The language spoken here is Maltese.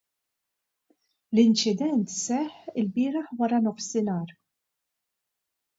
L-inċident seħħ ilbieraħ waranofsinhar.